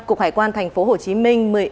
cục hải quan tp hcm